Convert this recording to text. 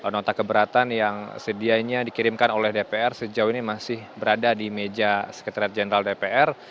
nota keberatan yang sedianya dikirimkan oleh dpr sejauh ini masih berada di meja sekretariat jenderal dpr